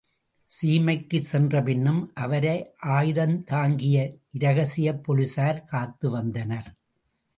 சீமைக்குச் சென்ற பின்னும் அவரை ஆயுதந்தாங்கிய இரகசிய போலிசார் காத்து வந்தனர்.